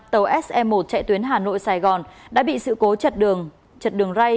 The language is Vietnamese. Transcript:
tàu sm một chạy tuyến hà nội sài gòn đã bị sự cố chật đường ray